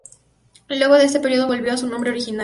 Luego de este periodo volvió a su nombre original.